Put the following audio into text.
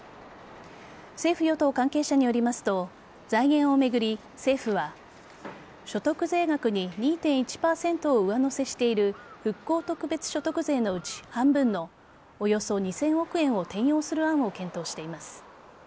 政府・与党関係者によりますと財源を巡り、政府は所得税額に２．１％を上乗せしている復興特別所得税のうち半分のおよそ２０００億円を転用する案を検討しています。